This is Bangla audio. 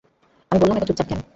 আমি বললাম, এত চুপচাপ কেন?